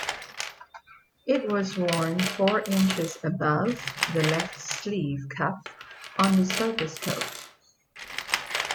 It was worn four inches above the left sleeve cuff on the service coat.